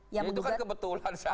itu kan kebetulan say